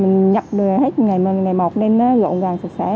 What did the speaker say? mình nhập được hết ngày một nên nó dọn dàng sạch sẽ